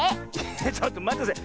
ちょっとまってください。